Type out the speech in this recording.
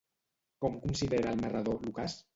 Com considera el narrador l'ocàs?